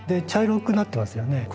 茶色くなってますよね。